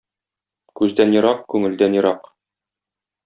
Күздән ерак - күңелдән ерак.